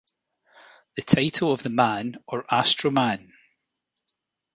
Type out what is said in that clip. The title of the Man or Astro-man?